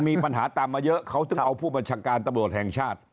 มีปัญหาตามมาเยอะเขาถึงเอาผู้บัญชาการตำรวจแห่งชาติ